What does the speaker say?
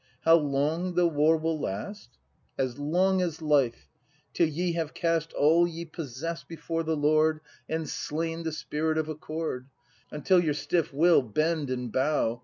How long the war will last ? As long as life, till ye have cast All ye possess before the Lord, And slain the Spirit of Accord; Until your stiff will bend and bow.